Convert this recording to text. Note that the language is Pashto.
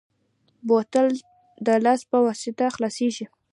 بوتل د لاس په واسطه خلاصېږي.